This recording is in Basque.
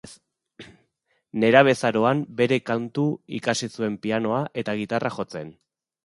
Nerabezaroan bere kontu ikasi zuen pianoa eta gitarra jotzen.